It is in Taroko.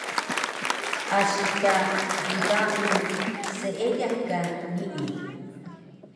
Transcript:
asi ka ddaun seediq ka nii